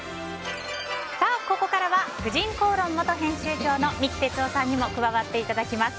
ここからは「婦人公論」元編集長の三木哲男さんにも加わっていただきます。